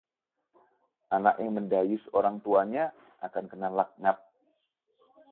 anak yang mendayus orang tuanya akan kena laknat